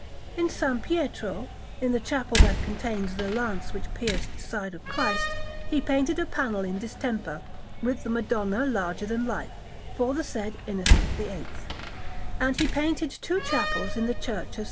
In S. Pietro, in the chapel that contains the Lance which pierced the side of Christ, he painted a panel in distemper, with the Madonna larger than life, for the said Innocent VIII; and he painted two chapels in the Church of S.